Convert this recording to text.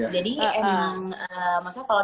jadi maksudnya kalau